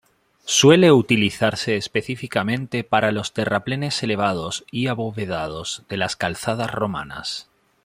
Suele utilizarse específicamente para los terraplenes elevados y abovedados de las calzadas romanas.